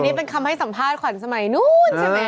นี่เป็นคำให้สัมภาษณ์ขวัญสมัยนู้นใช่ไหม